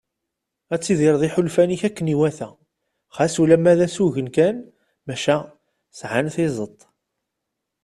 Ad tidireḍ iḥulfan-ik akken iwata ɣas ulamma d asugen kan maca sɛan tizeḍt.